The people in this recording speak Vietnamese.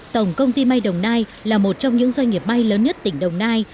tổng công ty may đồng nai là một trong những doanh nghiệp may lớn nhất tỉnh đồng nai